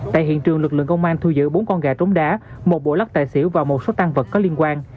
tại hiện trường lực lượng công an thu giữ bốn con gà trống đá một bộ lắc tài xỉu và một số tăng vật có liên quan